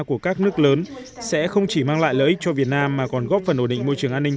của các nước lớn sẽ không chỉ mang lại lợi ích cho việt nam mà còn góp phần ổn định môi trường an ninh